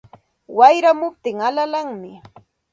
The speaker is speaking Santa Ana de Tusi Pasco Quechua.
Wayramuptin alalanmi